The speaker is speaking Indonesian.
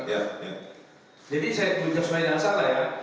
jadi saya ucap semuanya dengan salah ya